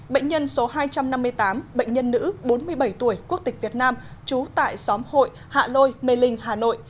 bệnh nhân số hai trăm năm mươi tám bệnh nhân nữ bốn mươi bảy tuổi quốc tịch việt nam trú tại xóm hội hạ lôi mê linh hà nội